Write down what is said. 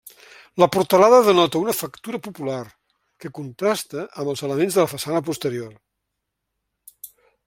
La portalada denota una factura popular, que contrasta, amb els elements de la façana posterior.